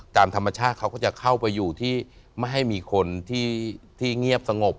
ตามธรรมชาติเขาก็จะเข้าไปอยู่ที่ไม่ให้มีคนที่เงียบสงบ